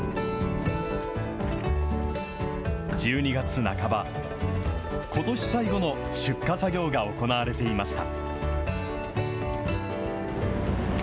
１２月半ば、ことし最後の出荷作業が行われていました。